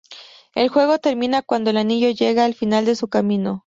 El juego termina cuando el Anillo llega al final de su camino.